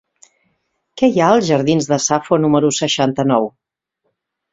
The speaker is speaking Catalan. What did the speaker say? Què hi ha als jardins de Safo número seixanta-nou?